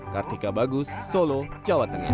kartika bagus solo jawa tengah